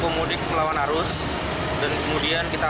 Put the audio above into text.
pemudik melawan arus dan kemudian kita